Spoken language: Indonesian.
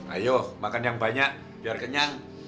ayo makan yang banyak biar kenyang